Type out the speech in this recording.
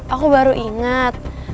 aku baru ingat